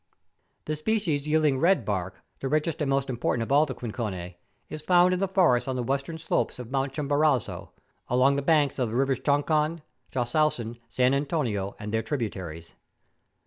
...' The species yielding ' red bark,' the richest and most important of all the chinchonse, is found in the forests on the western slopes of Mount Chim¬ borazo, along the banks of the rivers Chanchan, Chasuan, San Antonio, and their tributaries.